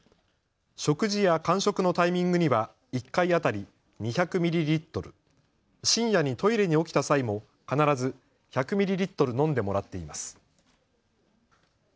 食事や間食のタイミングには１回当たり２００ミリリットル、深夜にトイレに起きた際も必ず１００ミリリットル飲んでもらっています。